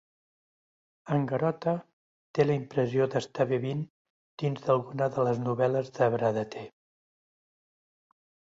En Garota té la impressió d'estar vivint dins d'alguna de les novel·les de Bradeter.